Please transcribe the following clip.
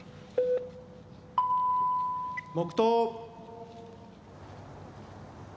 黙とう。